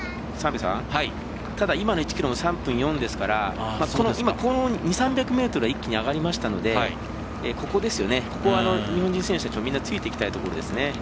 ただ、今の１ｋｍが３分４ですから今、この２００３００ｍは一気に上がりましたのでここ、日本人選手は皆、ついていきたいところですね。